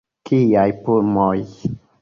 Kiaj pulmoj!